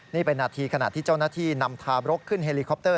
นี่เป็นนาทีขณะที่เจ้าหน้าที่นำทารกขึ้นเฮลิคอปเต